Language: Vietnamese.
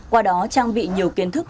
qua đó trang bị nhiều kiến thức